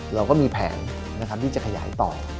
เราก็มีแผนที่จะขยายต่อ